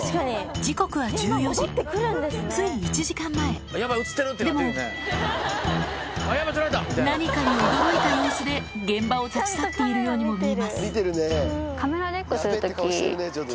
時刻は１４時つい１時間前でも何かに驚いた様子で現場を立ち去っているようにも見えます